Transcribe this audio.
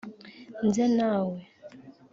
Nze nawe